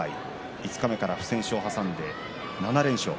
五日目から不戦勝を挟んで７連勝。